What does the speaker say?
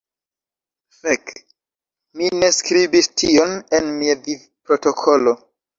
Fek, mi ne skribis tion en mia vivprotokolo.